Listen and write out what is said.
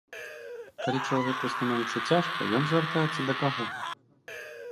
Калі чалавеку становіцца цяжка, ён звяртаецца да каго?